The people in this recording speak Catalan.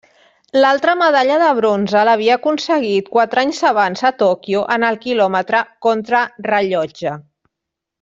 L'altra medalla de bronze l'havia aconseguit quatre anys abans a Tòquio en el quilòmetre contrarellotge.